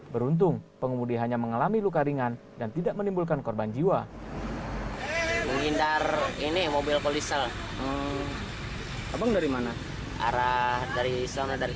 beruntung pengemudi hanya mengalami luka ringan dan tidak terlalu berhasil